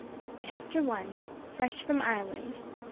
Chapter 1: Fresh from Ireland.